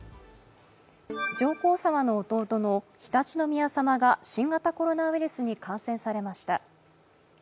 上皇さまの弟の常陸宮さまが新型コロナウイルスに感染されました。